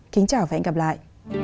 kính chào và hẹn gặp lại